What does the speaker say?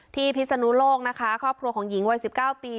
ที่พิษนุโลกนะคะครอบครัวของหญิงวัยสิบเก้าปี